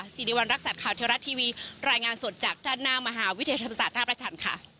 สิริวัณรักษัตริย์ข่าวเทวรัฐทีวีรายงานสดจากด้านหน้ามหาวิทยาลัยธรรมศาสตร์ท่าประชันค่ะ